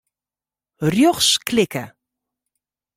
Rjochts klikke.